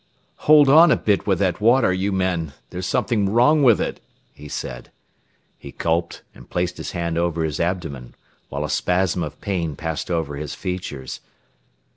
"Hold on a bit with that water, you men. There's something wrong with it," he said. He gulped and placed his hand over his abdomen, while a spasm of pain passed over his features.